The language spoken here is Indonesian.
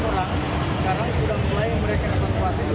lima ratus orang sekarang sudah melayang mereka sama sesuatu